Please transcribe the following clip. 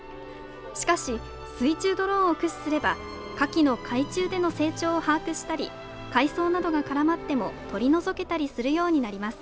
しかし水中ドローンを駆使すればカキの海中での成長を把握したり海草などが絡まっても取り除けたりするようになります。